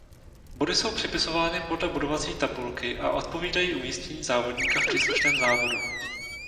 Body jsou připisovány podle bodovací tabulky a odpovídají umístění závodníka v příslušném závodu.